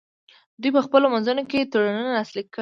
دوی په خپلو منځونو کې تړونونه لاسلیک کړل